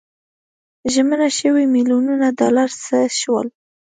ژمنه شوي میلیونونه ډالر څه شول.